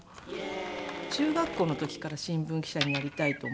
中学校の時から新聞記者になりたいと思って。